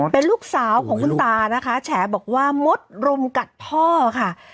เป็นลูกสาวของคุณตานะคะแฉบอกว่ามดรุมกัดพ่อค่ะ